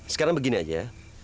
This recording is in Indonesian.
sekarang begini aja